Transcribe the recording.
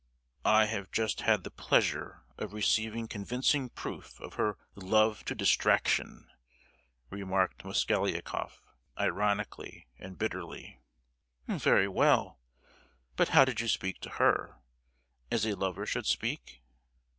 "I have just had the pleasure of receiving convincing proof of her 'love to distraction!' " remarked Mosgliakoff, ironically and bitterly. "Very well. But how did you speak to her? As a lover should speak?